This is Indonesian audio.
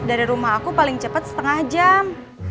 dari rumah aku paling cepat setengah jam